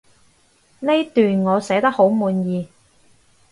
呢段我寫得好滿意